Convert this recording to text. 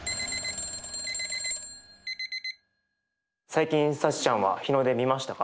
最近サチちゃんは日の出見ましたか？